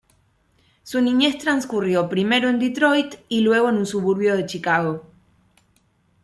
Su niñez transcurrió primero en Detroit y luego en un suburbio de Chicago.